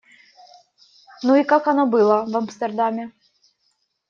Ну, и как оно было в Амстердаме?